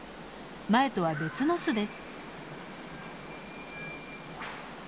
前とは別の巣です。